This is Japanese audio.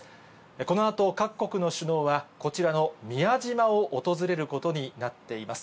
このあと各国の首脳は、こちらの宮島を訪れることになっています。